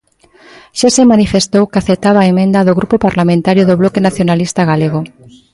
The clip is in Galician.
Xa se manifestou que aceptaba a emenda do Grupo Parlamentario do Bloque Nacionalista Galego.